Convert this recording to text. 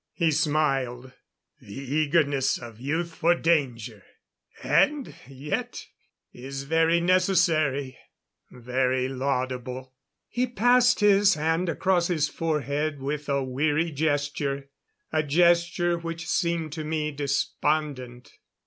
He smiled. "The eagerness of youth for danger! And yet is very necessary very laudable " He passed a hand across his forehead with a weary gesture a gesture which seemed to me despondent.